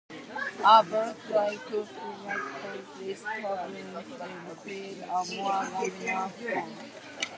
A bullet-like profile will cause less turbulence and create a more laminar flow.